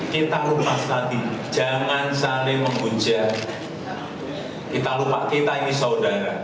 kita perlu berhati hati jangan saling membuja kita lupa kita ini saudara